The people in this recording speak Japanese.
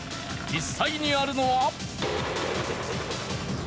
実際にあるのは。